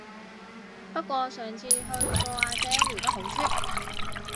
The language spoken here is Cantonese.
不過上次去個阿姐撩得好出